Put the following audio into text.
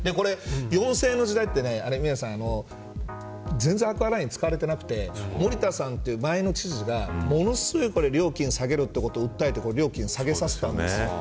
４０００円の時代ってミラちゃん全然アクアライン使われてなくて森田さんという前の知事がものすごい料金を下げろということを訴えて料金を下げさせたんですよ。